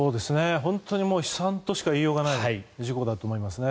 本当に悲惨としか言いようがない事故だと思いますね。